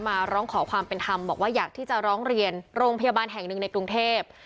มาร้องขอความเป็นธรรมบอกว่าอยากที่จะร้องเรียนโรงพยาบาลแห่งหนึ่งในกรุงเทพ